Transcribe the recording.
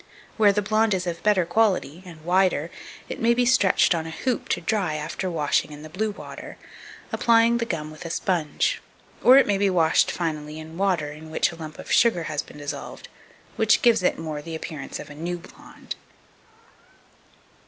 Where the blonde is of better quality, and wider, it may be stretched on a hoop to dry after washing in the blue water, applying the gum with a sponge; or it may be washed finally in water in which a lump of sugar has been dissolved, which gives it more the appearance of new blonde.